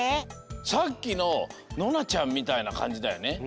さっきのノナちゃんみたいなかんじだよね。